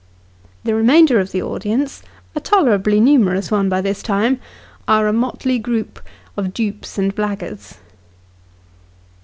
The remainder of the audience a tolerably numerous one by this time are a motley group of dupes and blackguards.